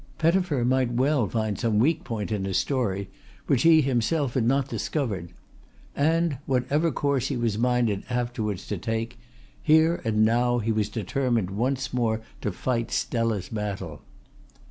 Pettifer might well find some weak point in his story which he himself had not discovered; and whatever course he was minded afterwards to take, here and now he was determined once more to fight Stella's battle.